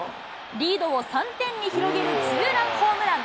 リードを３点に広げるツーランホームラン。